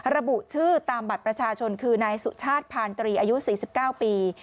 ระบุชื่อตามบัตรประชาชนคือนายสุชาติพานตรีอายุ๔๙ปี